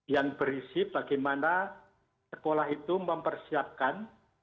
yang berisi bagaimana sekolah itu mempersiapkan